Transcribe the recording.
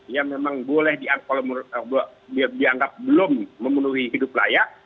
ya memang boleh dianggap belum memenuhi hidup layak